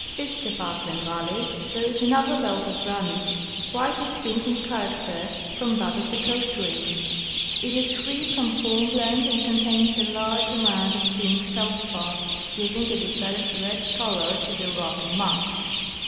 East of Ahklen valley there is another belt of granite, quite distinct in character from that of the Coast range. It is free from hornblende and contains a large amount of pink feldspar, ' giving a decided red color to the rock in mass.